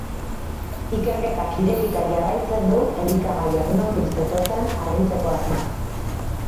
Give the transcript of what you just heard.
Ikerketak irekita jarraitzen du elikagaiak nondik zetozen argitzeko asmoz.